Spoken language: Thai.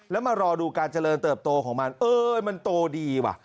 แล้วมารอดูการเจริญเติบโตของมันเอ้ยมันโตดีว่ะ